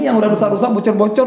yang udah rusak rusak bocor bocor